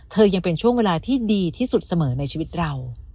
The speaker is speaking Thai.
ยังเป็นช่วงเวลาที่ดีที่สุดเสมอในชีวิตเรา